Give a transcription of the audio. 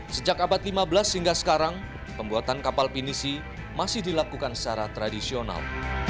sejak abad lima belas hingga sekarang pembuatan kapal pinisi masih dilakukan secara tradisional